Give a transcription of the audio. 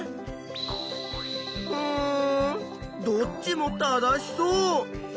うんどっちも正しそう。